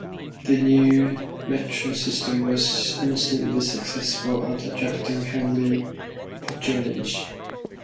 The new metro system was instantly successful at attracting heavy patronage.